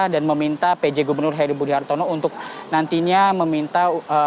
dan meminta pj gubernur heri budi hartono untuk nantinya meminta